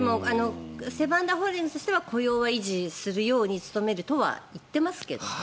セブン＆アイ・ホールディングスとしては雇用は維持するように努めるとは言ってますけどね。